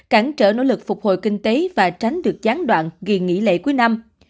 cản trở nỗ lực phục hồi kinh tế và tránh được gián đoạn ghi nghỉ lệ cuối năm